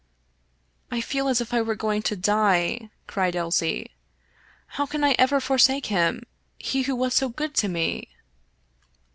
" I feel as if I were going to die," cried Elsie. " How can I ever forsake him — he who was so good to me